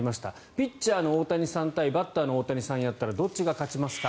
ピッチャーの大谷さん対バッターの大谷さんをやったらどっちが勝ちますか。